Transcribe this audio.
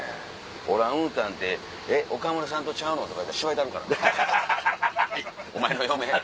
「オランウータンってえっ岡村さんとちゃうの？」とか言うたらしばいたるからなお前の嫁はん。